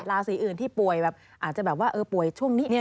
ราศีอื่นที่ป่วยแบบอาจจะแบบว่าป่วยช่วงนี้เนี่ย